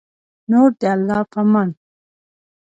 نور د الله په امان